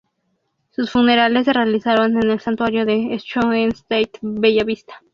Sus funerales se realizaron en el Santuario de Schoenstatt Bellavista.